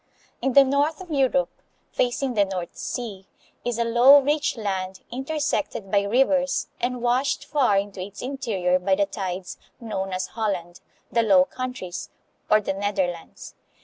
In the north of Europe, facing the North Sea, is a low, rich land, intersected by rivers and washed far into its interior by the tides, known as Holland, the Low Countries, or the Netherlands.